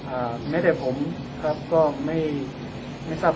อ่าแม้แต่ผมครับก็ไม่ไม่ทราบ